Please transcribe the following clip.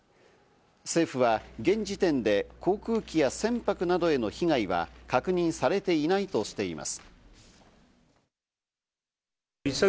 政府は現時点で航空機や船舶などへの被害は確認されていないとしています。